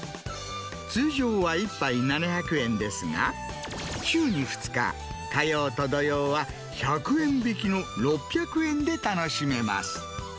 通常は１杯７００円ですが、週に２日、火曜と土曜は１００円引きの６００円で楽しめます。